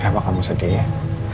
kenapa kamu sedih